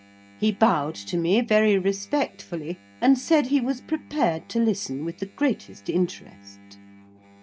He bowed to me very respectfully, and said he was prepared to listen with the greatest interest.